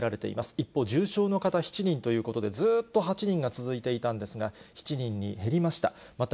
一方、重症の方７人ということで、ずっと８人が続いていたんですが、７人に減りました。